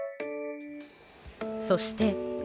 そして。